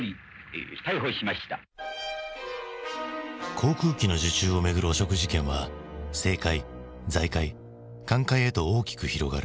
航空機の受注をめぐる汚職事件は政界財界官界へと大きく広がる。